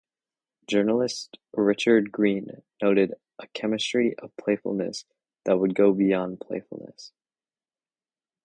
Journalist Richard Green noted a "chemistry of playfullness that would go beyond playfullness".